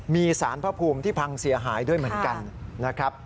มีสารพระภูมิที่พังเสียหายด้วยเหมือนกันนะครับ